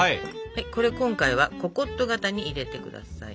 これ今回はココット型に入れて下さい。